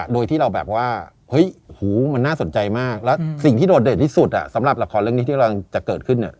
โดยที่เราแบบว่าเฮ้ยหูมันน่าสนใจมากแล้วสิ่งที่โดดเด่นที่สุดสำหรับละครเรื่องนี้ที่กำลังจะเกิดขึ้น